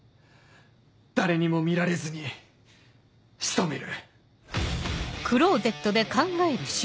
誰にも見られずに仕留める。